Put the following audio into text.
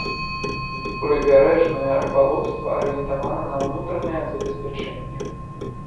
Прыбярэжнае рыбалоўства арыентавана на ўнутранае забеспячэнне.